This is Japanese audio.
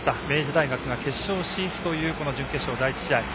明治大学が決勝進出という準決勝第１試合。